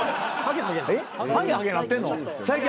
えっハゲハゲなってんの？